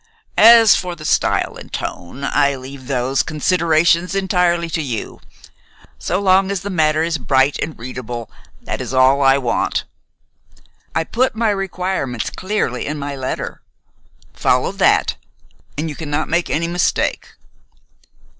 As for the style and tone, I leave those considerations entirely to you. So long as the matter is bright and readable, that is all I want. I put my requirements clearly in my letter. Follow that, and you cannot make any mistake."